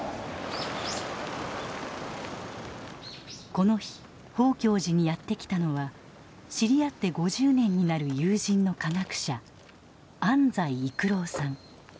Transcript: この日宝鏡寺にやって来たのは知り合って５０年になる友人の科学者安斎育郎さん。